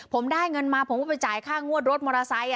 ผมได้เงินมาผมก็ไปจ่ายค่างวดรถมอเตอร์ไซค์